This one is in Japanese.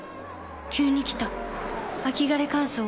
急に来た秋枯れ乾燥。